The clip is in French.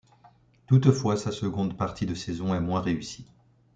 Toutefois, sa seconde partie de saison est moins réussie.